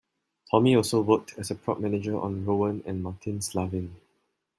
Tommy also worked as a prop manager on "Rowan and Martin's Laugh-In".